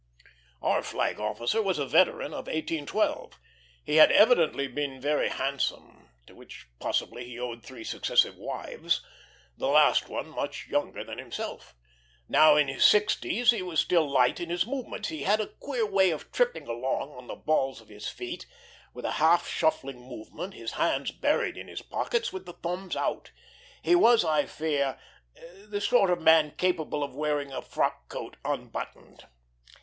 Our flag officer was a veteran of 1812. He had evidently been very handsome, to which possibly he owed three successive wives, the last one much younger than himself. Now, in his sixties, he was still light in his movements. He had a queer way of tripping along on the balls of his feet, with a half shuffling movement, his hands buried in his pockets, with the thumbs out. He was, I fear, the sort of man capable of wearing a frock coat unbuttoned.